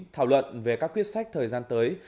thảo luận về các quyết sách thời gian tới